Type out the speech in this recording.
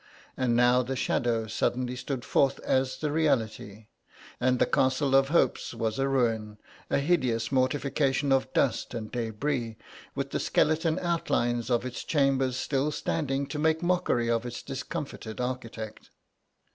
And now the shadow suddenly stood forth as the reality, and the castle of hopes was a ruin, a hideous mortification of dust and débris, with the skeleton outlines of its chambers still standing to make mockery of its discomfited architect.